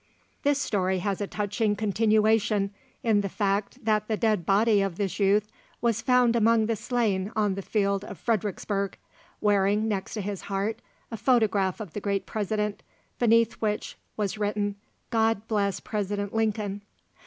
This story has a touching continuation in the fact that the dead body of this youth was found among the slain on the field of Fredericksburg, wearing next his heart a photograph of the great President, beneath which was written, God bless President Lincoln.